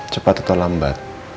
cepat atau lambat